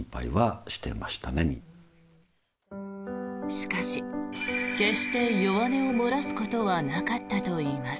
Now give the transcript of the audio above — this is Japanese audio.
しかし決して弱音を漏らすことはなかったといいます。